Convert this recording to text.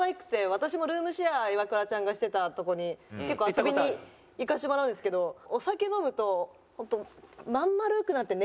私もルームシェアイワクラちゃんがしてたとこに結構遊びに行かせてもらうんですけどお酒飲むと本当まん丸くなって寝ちゃうんですよ。